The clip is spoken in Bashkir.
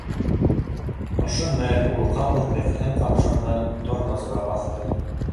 Ошо мәл ул ҡапыл кеҫәһен ҡапшаны, тормозға баҫты